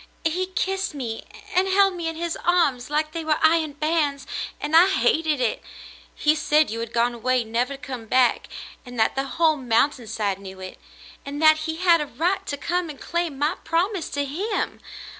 "He kissed me and held me in his arms like they were iron bands — and I hated it. He said you had gone away never to come back, and that the whole mountain side knew it ; and that he had a right to come and claim my promise to him.